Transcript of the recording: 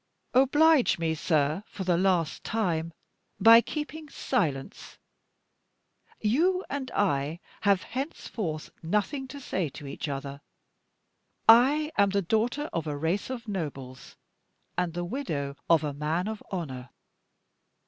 "Oblige me, sir, for the last time, by keeping silence. You and I have henceforth nothing to say to each other. I am the daughter of a race of nobles, and the widow of a man of honor.